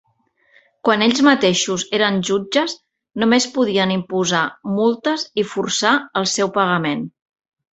Quan ells mateixos eren jutges només podien imposar multes i forçar el seu pagament.